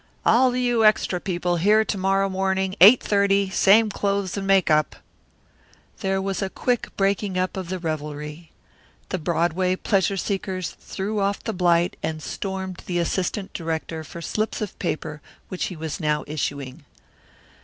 "All you extra people here to morrow morning, eight thirty, same clothes and make up." There was a quick breaking up of the revelry. The Broadway pleasure seekers threw off the blight and stormed the assistant director for slips of paper which he was now issuing.